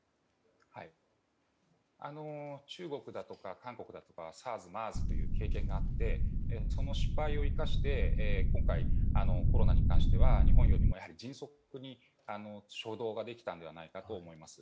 中国だとか韓国だとかはＳＡＲＳ、ＭＥＲＳという経験があってその失敗を生かして今回コロナに関しては日本よりも迅速に初動ができたのではないかと思います。